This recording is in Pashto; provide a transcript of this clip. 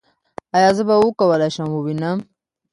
ایا زه به وکولی شم ووینم؟